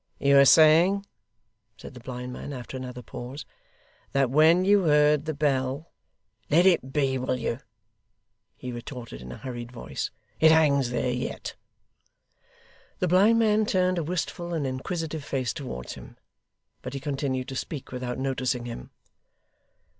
'You were saying,' said the blind man, after another pause, 'that when you heard the Bell ' 'Let it be, will you?' he retorted in a hurried voice. 'It hangs there yet.' The blind man turned a wistful and inquisitive face towards him, but he continued to speak, without noticing him.